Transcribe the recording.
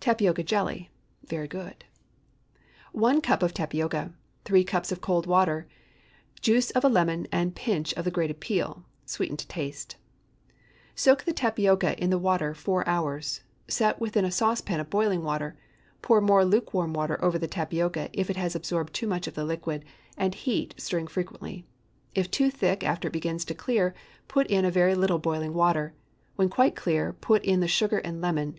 TAPIOCA JELLY. ✠ (Very good.) 1 cup of tapioca. 3 cups of cold water. Juice of a lemon, and a pinch of the grated peel. Sweeten to taste. Soak the tapioca in the water four hours. Set within a saucepan of boiling water; pour more lukewarm water over the tapioca if it has absorbed too much of the liquid, and heat, stirring frequently. If too thick after it begins to clear, put in a very little boiling water. When quite clear, put in the sugar and lemon.